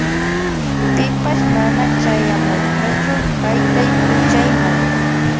Pipash mana chayamurkachu haytaypukllayma.